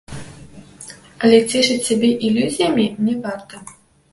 Але цешыць сябе ілюзіямі не варта.